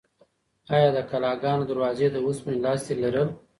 ایا د کلاګانو دروازې د اوسپنې لاستي لرل؟